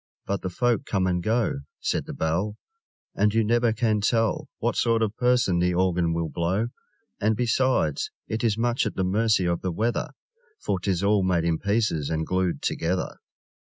But the folk come and go, Said the Bell, And you never can tell What sort of person the Organ will blow! And, besides, it is much at the mercy of the weather For 'tis all made in pieces and glued together!